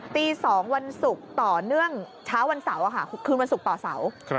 ตี๒วันศุกร์ต่อเนื่องเช้าวันเสาร์คืนวันศุกร์ต่อเสาร์